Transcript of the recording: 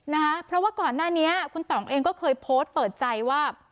นะคะเพราะว่าก่อนหน้านี้คุณต่องเองก็เคยโพสต์เปิดใจว่า